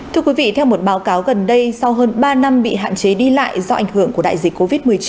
thưa quý vị theo một báo cáo gần đây sau hơn ba năm bị hạn chế đi lại do ảnh hưởng của đại dịch covid một mươi chín